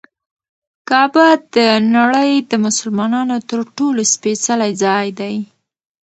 کعبه د نړۍ د مسلمانانو تر ټولو سپېڅلی ځای دی.